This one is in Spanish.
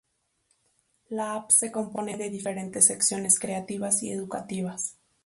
La app se compone de diferentes secciones creativas y educativas.